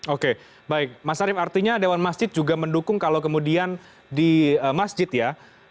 oke baik mas arief artinya dewan masjid juga mendukung kalau kemudian di masjid ya